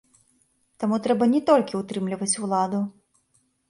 Таму трэба не толькі ўтрымліваць уладу.